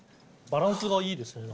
バランスがいいですよね。